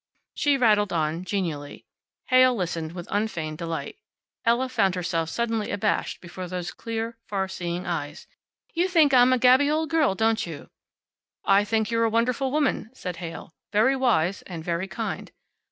She rattled on, genially. Heyl listened with unfeigned delight. Ella found herself suddenly abashed before those clear, far seeing eyes. "You think I'm a gabby old girl, don't you?" "I think you're a wonderful woman," said Heyl. "Very wise, and very kind."